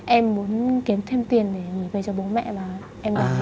em muốn kiếm thêm tiền để gửi về cho bố mẹ và em gái á